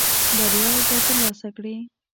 بریا به ترلاسه کړې .